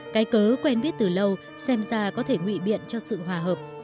cái cớ quen biết từ lâu xem ra có thể ngụy biện cho sự hòa hợp